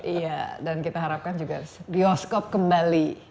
iya dan kita harapkan juga bioskop kembali